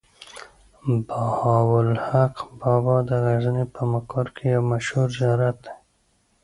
بهاوالحق بابا د غزني په مقر کې يو مشهور زيارت دی.